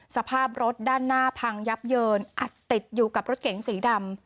สภาพรถด้านหน้าพังยับเยินอัดติดอยู่กับรถเก๋งสีดำ